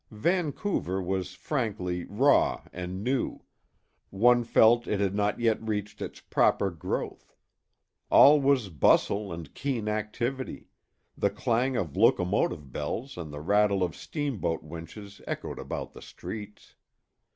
Vancouver was frankly raw and new; one felt it had not yet reached its proper growth. All was bustle and keen activity; the clang of locomotive bells and the rattle of steamboat winches echoed about the streets.